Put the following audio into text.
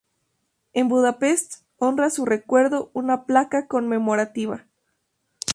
En Budapest honra su recuerdo una placa conmemorativa.